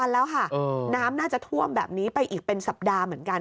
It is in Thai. แล้วค่ะน้ำน่าจะท่วมแบบนี้ไปอีกเป็นสัปดาห์เหมือนกัน